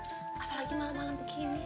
apalagi malam malam begini